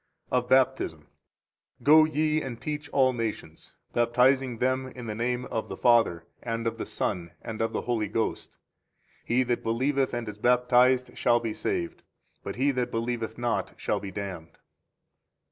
21 OF BAPTISM. Go ye and teach all nations, baptizing them in the name of the Father, and of the Son, and of the Holy Ghost. He that believeth and is baptized shall be saved; but he that believeth not shall be damned.